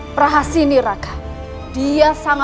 pertama yang siap biro